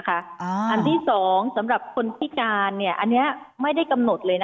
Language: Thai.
อันที่๒สำหรับคนพิการอันนี้ไม่ได้กำหนดเลย